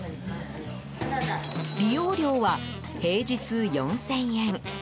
利用料は平日４０００円。